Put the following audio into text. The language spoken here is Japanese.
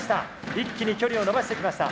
一気に距離をのばしてきました。